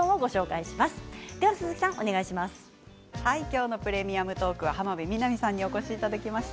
今日の「プレミアムトーク」は浜辺美波さんにお越しいただきました。